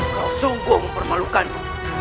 kau sungguh mempermalukanku